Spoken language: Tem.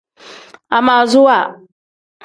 Amaasuwa.